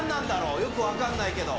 よく分かんないけど。